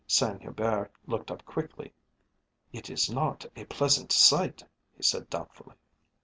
Saint Hubert looked up quickly. "It is not a pleasant sight," he said doubtfully.